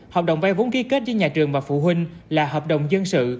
hợp đồng vay vốn ký kết với nhà trường và phụ huynh là hợp đồng dân sự